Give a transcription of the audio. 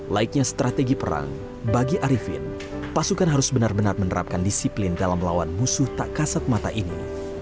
laiknya strategi perang bagi arifin pasukan harus benar benar menerapkan disiplin dalam melawan musuh tak kasat mata ini